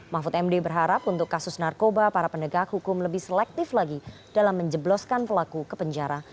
mahfud md berharap untuk kasus narkoba para penegak hukum lebih selektif lagi dalam menjebloskan pelaku ke penjara